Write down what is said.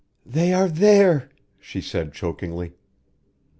"They are there!" she said, chokingly.